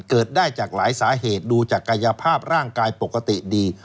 เกิดได้จากหลายสาเหตุดูจากกายภาพร่างกายปกติดี